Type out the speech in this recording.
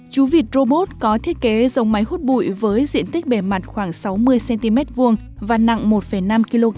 chú vịt robot có thiết kế dòng máy hút bụi với diện tích bề mặt khoảng sáu mươi cm hai và nặng một năm kg